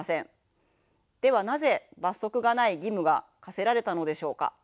ではなぜ罰則がない義務が課せられたのでしょうか。